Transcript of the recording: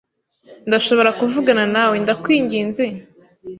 Ndashobora kuvugana nawe, ndakwinginze?